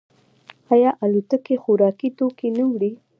آیا الوتکې خوراکي توکي نه وړي؟